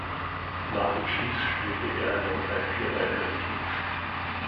Nach den Chiefs spielte er noch bei vier weiteren Teams.